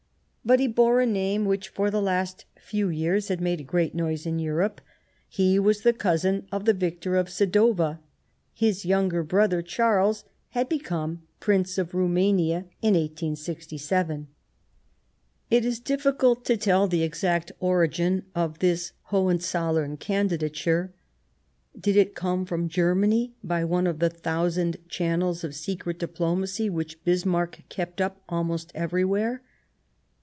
But he bore a name which for the last few years had made a great noise in Europe : he was the cousin of the victor of Sadowa ; his younger brother, Charles, had become Prince of Roumania in 1867. It is difficult to tell the exact origin of this Hohenzollern candidature. Did it come from Germany by one of the thousand channels of secret diplomacy which Bismarck kept up almost every where